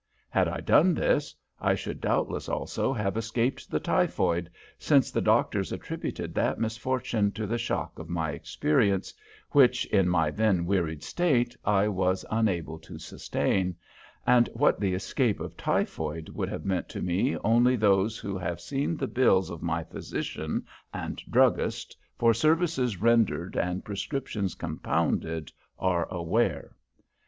Had I done this, I should doubtless also have escaped the typhoid, since the doctors attributed that misfortune to the shock of my experience, which, in my then wearied state, I was unable to sustain and what the escape of typhoid would have meant to me only those who have seen the bills of my physician and druggist for services rendered and prescriptions compounded are aware.